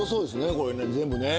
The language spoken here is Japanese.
これ全部ね。